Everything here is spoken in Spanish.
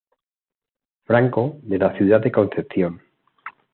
Franco de la ciudad de Concepción.